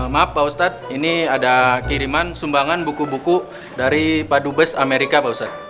maaf pak ustadz ini ada kiriman sumbangan buku buku dari pak dubes amerika pak ustadz